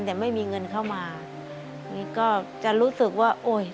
แต่ไม่มีเงินเข้ามานี่ก็จะรู้สึกว่าโอ้ย